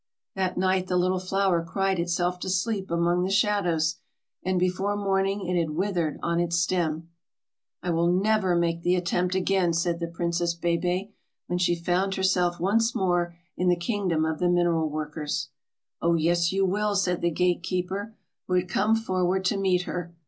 That night the little flower cried itself to sleep among the shadows, and before morning it had withered on its stem. "I will never make the attempt again," said the Princess Bébè, when she found herself once more in the kingdom of the mineral workers. [Illustration: THE PRINCESS BÉBÈ AND ALECK.] "Oh yes, you will," said the gate keeper, who had come forward to meet her.